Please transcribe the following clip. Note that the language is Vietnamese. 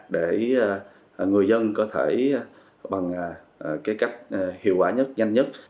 để người dân có thể bằng cái cách hiệu quả nhất nhanh nhất